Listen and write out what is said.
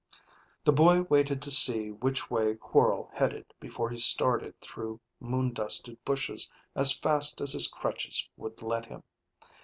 The boy waited to see which way Quorl headed before he started through moon dusted bushes as fast as his crutches would let him.